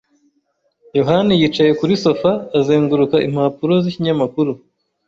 yohani yicaye kuri sofa, azenguruka impapuro z'ikinyamakuru.